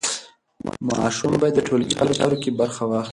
ماشوم باید د ټولګي په چارو کې برخه واخلي.